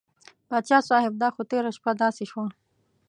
پاچا صاحب دا خو تېره شپه داسې شوه.